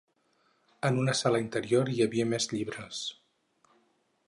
En una sala interior hi havia més llibres.